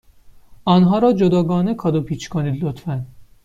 آنها را جداگانه کادو پیچ کنید، لطفا.